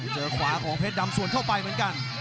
เจอขวาของเพชรดำสวนเข้าไปเหมือนกัน